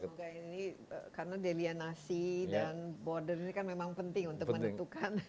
semoga ini karena delianasi dan border ini kan memang penting untuk menentukan